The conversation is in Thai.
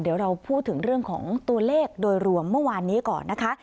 เดี๋ยวเราพูดถึงเรื่องของตัวเลขโดยรวมเมื่อวานนี้ก่อนนะคะ